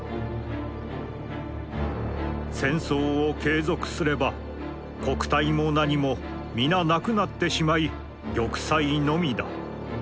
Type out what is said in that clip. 戦争を継続すれば国体も何も皆なくなつてしまひ玉砕のみだ」。